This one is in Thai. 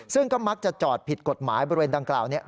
ซึ่งก็มักจะจอดผิดกฎหมายบริเวณดังกล่าวนี้